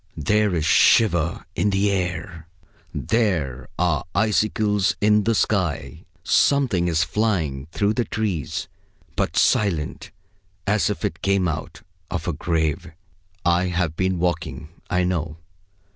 There is a shiver in the air. There are icicles in the sky. Something is flying through the trees, but silent as if it came out of a grave. I have been walking, I know.